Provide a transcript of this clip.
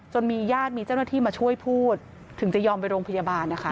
มีญาติมีเจ้าหน้าที่มาช่วยพูดถึงจะยอมไปโรงพยาบาลนะคะ